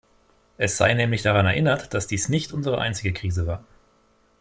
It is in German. Es sei nämlich daran erinnert, dass dies nicht unsere einzige Krise war.